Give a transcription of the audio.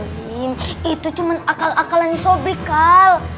razim itu cuma akal akalnya sobri heikal